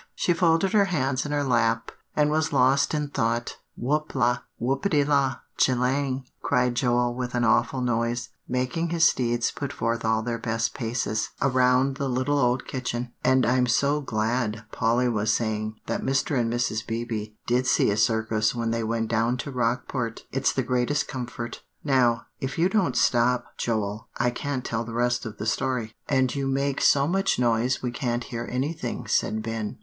She folded her hands in her lap and was lost in thought. "Whoop la! Whoopity la! G'lang!" cried Joel with an awful noise, making his steeds put forth all their best paces, around the little old kitchen. "And I'm so glad," Polly was saying, "that Mr. and Mrs. Beebe did see a Circus when they went down to Rockport; it's the greatest comfort. Now, if you don't stop, Joel, I can't tell the rest of the story;" "and you make so much noise we can't hear anything," said Ben.